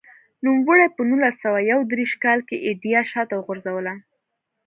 نوموړي په نولس سوه یو دېرش کال کې ایډیا شاته وغورځوله.